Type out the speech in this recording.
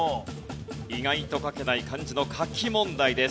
意外と書けない漢字の書き問題です。